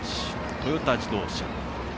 トヨタ自動車。